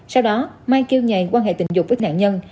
sau đó mai kêu nhà quan hệ tình dục với nạn nhân